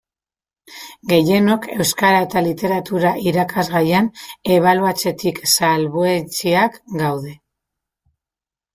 Gehienok Euskara eta Literatura irakasgaian ebaluatzetik salbuetsiak gaude.